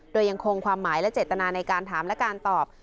โดยยังคงความหมายและเจตนาในการถามและการตอบ